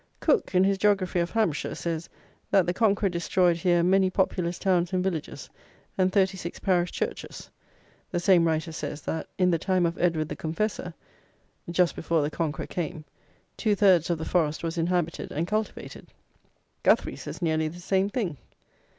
Cooke, in his Geography of Hampshire, says, that the Conqueror destroyed here "many populous towns and villages, and thirty six parish churches." The same writer says, that, in the time of Edward the Confessor (just before the Conqueror came), "two thirds of the Forest was inhabited and cultivated." Guthrie says nearly the same thing.